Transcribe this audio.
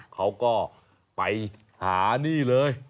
เขาก็ไปหานี่เลย